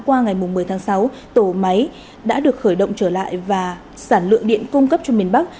qua ngày một mươi tháng sáu tổ máy đã được khởi động trở lại và sản lượng điện cung cấp cho miền bắc